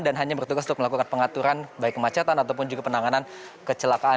dan hanya bertugas untuk melakukan pengaturan baik macetan ataupun juga penanganan kecelakaan